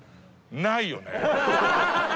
ないよね。